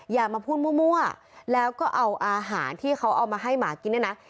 อย่ามาพูดมั่วแล้วก็เอาอาหารที่เขาเอามาให้หมากินเนี่ยนะ